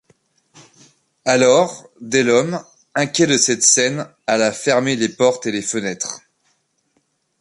Alors, Delhomme, inquiet de cette scène, alla fermer les portes et les fenêtres.